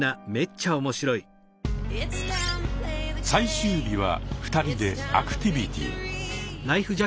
最終日は２人でアクティビティ。